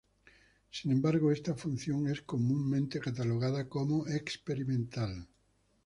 Sin embargo esta función es comúnmente catalogada como experimental.